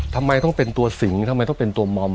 ทำไมต้องเป็นตัวสิงทำไมต้องเป็นตัวมอม